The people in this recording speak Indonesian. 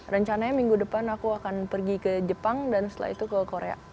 rencananya minggu depan aku akan pergi ke jepang dan setelah itu ke korea